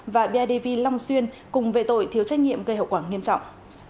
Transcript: và bidv long xuyên cùng về tội thiếu trách nhiệm gây hậu quả nghiêm trọng